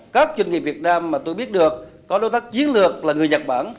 các doanh nghiệp việt nam mà tôi biết được có đối tác chiến lược là người nhật bản